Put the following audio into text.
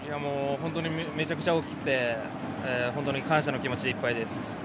本当にめちゃくちゃ大きくて本当に感謝の気持ちでいっぱいです。